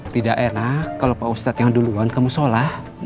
tidak enak kalau pak ustadz yang duluan kamu sholah